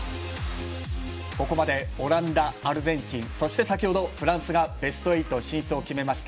ここまでオランダ、アルゼンチンそして、先ほどフランスがベスト８進出を決めました。